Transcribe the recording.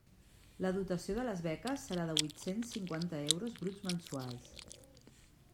La dotació de les beques serà de huit-cents cinquanta euros bruts mensuals.